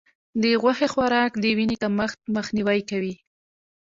د غوښې خوراک د وینې کمښت مخنیوی کوي.